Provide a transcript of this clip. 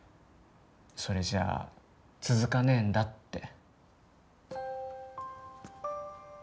それじゃあ続かねえんだって。